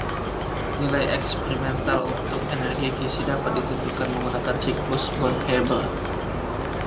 Nilai eksperimental untuk energi kisi dapat ditentukan menggunakan siklus Born-Haber.